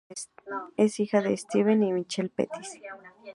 Es hija de Steven y Michelle Pettis.